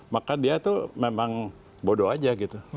maka dia tuh memang bodoh aja gitu